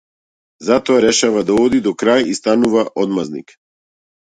Затоа, решава да оди до крај и станува одмаздник.